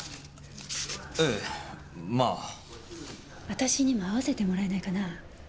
私にも会わせてもらえないかな？